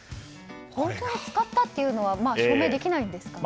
本当に使ったというのは証明できないんですかね？